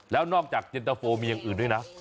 แล้วนอกจากเย็นตะโฟมีอย่างอื่นด้วยนะ